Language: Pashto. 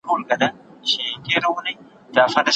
زه مي د عُمر د خزان له څانګي ورژېدم